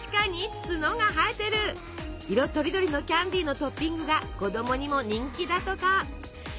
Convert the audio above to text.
色とりどりのキャンディーのトッピングが子どもにも人気だとか。